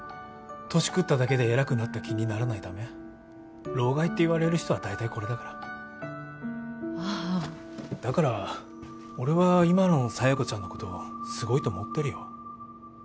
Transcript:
年くっただけで偉くなった気にならないため老害っていわれる人は大体これだからああだから俺は今の佐弥子ちゃんのことすごいと思ってるよ